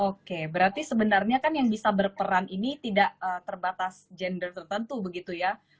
oke berarti sebenarnya kan yang bisa berperan ini tidak terbatas gender tertentu begitu ya